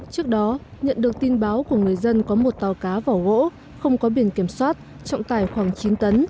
trước đó nhận được tin báo của người dân có một tàu cá vỏ gỗ không có biển kiểm soát trọng tài khoảng chín tấn